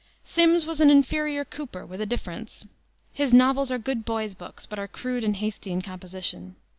Simms was an inferior Cooper, with a difference. His novels are good boys' books, but are crude and hasty in composition.